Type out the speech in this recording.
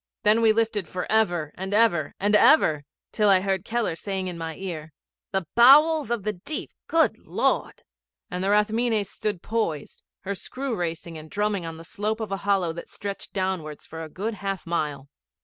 Then we lifted for ever and ever and ever, till I heard Keller saying in my ear, 'The bowels of the deep, good Lord!' and the Rathmines stood poised, her screw racing and drumming on the slope of a hollow that stretched downwards for a good half mile.